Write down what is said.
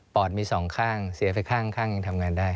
อดมีสองข้างเสียไปข้างยังทำงานได้